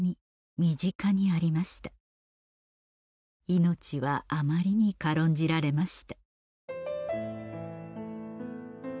命はあまりに軽んじられました